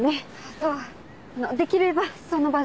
そうできればその場で。